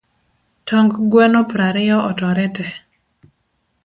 Tong' gweno prariyo otore te